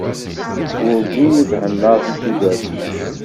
Werǧin i thennaḍ deg tudert-im.